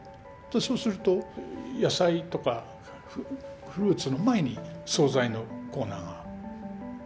そうすると野菜とかフルーツの前に総菜のコーナーができる。